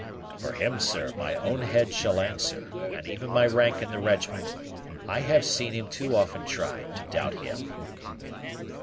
"For him, sir, my own head shall answer, or even my rank in the regiment. I have seen him too often tried to doubt him."